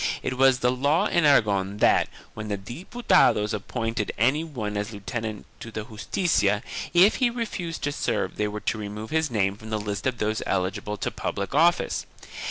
It was the law in Aragon that, when the Diputados appointed any one as lieutenant to the Justicia, if he refused to serve they were to remove his name from the lists of those eligible to public office.